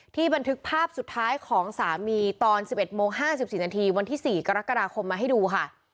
บันทึกภาพสุดท้ายของสามีตอน๑๑โมง๕๔นาทีวันที่๔กรกฎาคมมาให้ดูค่ะ